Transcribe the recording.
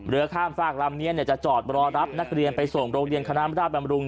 ข้ามฝากลำนี้จะจอดรอรับนักเรียนไปส่งโรงเรียนคณะราชบำรุง